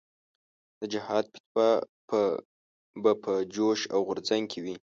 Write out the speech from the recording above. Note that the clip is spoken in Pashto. د جهاد فتوا به په جوش او غورځنګ کې وي.